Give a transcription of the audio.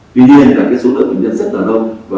tuy nhiên là số lượng bệnh nhân dân tà nông